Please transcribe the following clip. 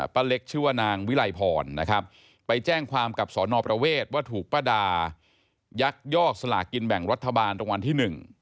เล็กชื่อว่านางวิลัยพรนะครับไปแจ้งความกับสอนอประเวทว่าถูกป้าดายักยอกสลากินแบ่งรัฐบาลรางวัลที่๑